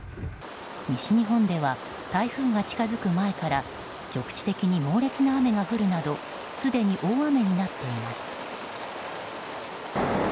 西日本では台風が近づく前から局地的に猛烈な雨が降るなどすでに大雨になっています。